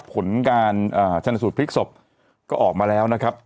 ผลการชนสูตรพลิกศพก็ออกมาแล้วนะครับ